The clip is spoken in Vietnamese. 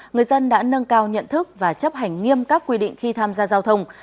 người dân đã nâng cao nhận thức và chấp hành nghiêm các quy định khi tham gia giao thông